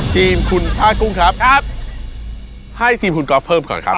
ทีมคุณผ้ากุ้งครับให้ทีมคุณก๊อฟเพิ่มก่อนครับ